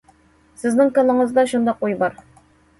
سىزنىڭ كاللىڭىزدا شۇنداق ئوي بار!